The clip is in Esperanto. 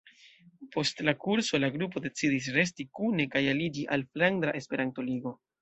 Post la kurso la grupo decidis resti kune kaj aliĝi al Flandra Esperanto-Ligo.